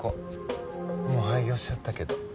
もう廃業しちゃったけど。